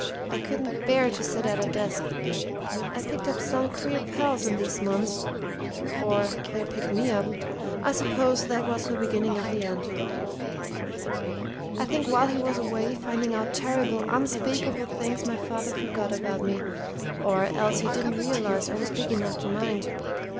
I couldn't bear to sit at a desk. I picked up some queer pals in those months or they picked me up. I suppose that was the beginning of the end. "I think while he was away, finding out terrible, unspeakable things, my father forgot about me or else he didn't realize I was big enough to mind.